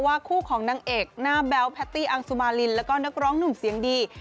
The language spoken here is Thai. คู่ของนางเอกหน้าแบ๊วแพตตี้อังสุมารินแล้วก็นักร้องหนุ่มเสียงดี